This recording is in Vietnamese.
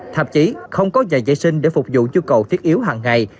thậm chí không có nhà vệ sinh để phục vụ nhu cầu thiết yếu hàng ngày